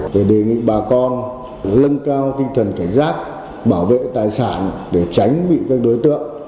để đề nghị bà con lân cao tinh thần cảnh giác bảo vệ tài sản để tránh bị các đối tượng